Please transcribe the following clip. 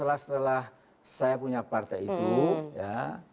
setelah setelah saya punya partai itu ya